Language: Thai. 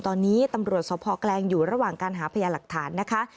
ตอนนี้ตำรวจสภแกลงอยู่ระหว่างการหาพยาหลักฐานนะคะ